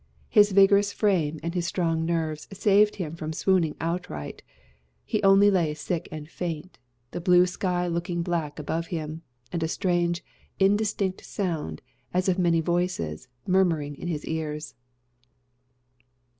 His vigorous frame and his strong nerves saved him from swooning outright: he only lay sick and faint, the blue sky looking black above him, and a strange, indistinct sound, as of many voices, murmuring in his ears.